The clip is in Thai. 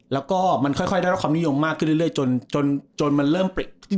แล้วก็มันค่อยได้รับความนิยมมากขึ้นเรื่อยจนมันเริ่มปริก